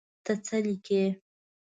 ته څه لیکې.